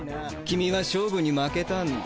キミは勝負に負けたんだ。